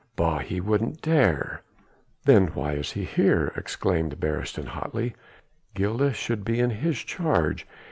"Bah! He wouldn't dare...!" "Then why is he here?" exclaimed Beresteyn hotly. "Gilda should be in his charge!